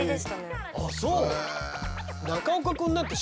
あっそう。ね？